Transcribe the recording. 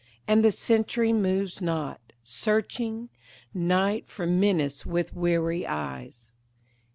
And the sentry moves not, searching Night for menace with weary eyes.